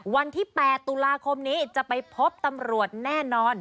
วันที่๘ตุลาคมนี้จะไปพบตำรวจแน่นอน